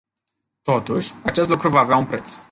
Totuși, acest lucru va avea un preț.